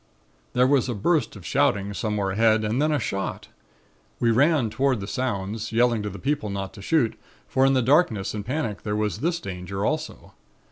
"There was a burst of shouting somewhere ahead and then a shot. We ran toward the sounds, yelling to the people not to shoot; for in the darkness and panic there was this danger also.